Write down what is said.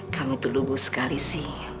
kami tuh lubu sekali sih